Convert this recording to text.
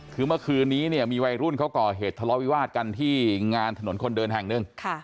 คือเมื่อคืนนี้เนี่ยมีวัยรุ่นเขาก่อเหตุทะเลาะวิวาสกันที่งานถนนคนเดินแห่งหนึ่ง